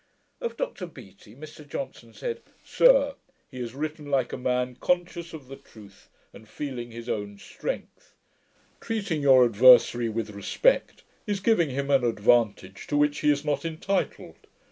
Of Dr Beattie, Mr Johnson said, 'Sir, he has written like a man conscious of the truth, and feeling his own strength. Treating your adversary with respect, is giving him an advantage to which he is not entitled.